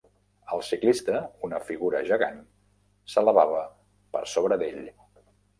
El ciclista, una figura gegant, s'elevava per sobre d'ell.